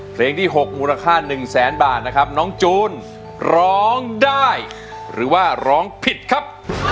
เพลงที่๖มูลค่า๑แสนบาทนะครับน้องจูนร้องได้หรือว่าร้องผิดครับ